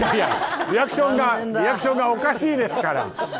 リアクションがおかしいですから。